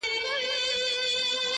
• چي د لوږي ږغ یې راغی له لړمونه -